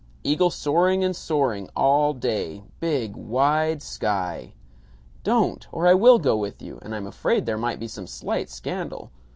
Eagle soaring and soaring all day big wide sky " "Don't! Or I will go with you, and I'm afraid there might be some slight scandal.